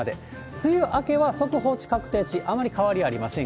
梅雨明けは速報値、確定値、あまり変わりありません